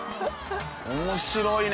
面白いね。